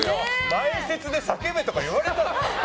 前説で叫べとか言われたの？